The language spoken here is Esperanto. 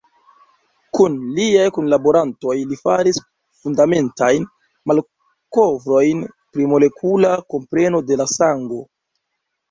Kun liaj kunlaborantoj li faris fundamentajn malkovrojn pri molekula kompreno de la sango.